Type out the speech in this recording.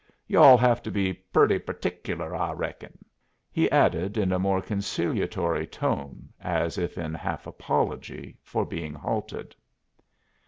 "You all have to be purty pertickler, I reckon," he added, in a more conciliatory tone, as if in half apology for being halted.